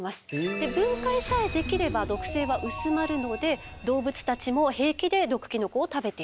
で分解さえできれば毒性は薄まるので動物たちも平気で毒キノコを食べているということなんですね。